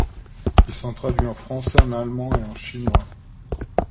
Ils sont traduits en français, en allemand et en chinois.